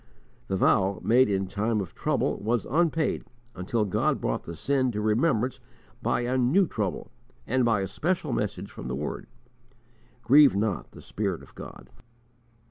The vow, made in time of trouble, was unpaid until God brought the sin to remembrance by a new trouble, and by a special message from the Word: "Grieve not the Spirit of God."